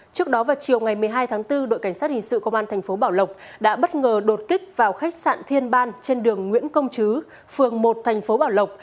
trước đó vào chiều ngày một mươi hai tháng bốn đội cảnh sát hình sự công an thành phố bảo lộc đã bất ngờ đột kích vào khách sạn thiên ban trên đường nguyễn công chứ phường một thành phố bảo lộc